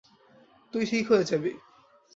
তুই ঠিক হয়ে যাবি।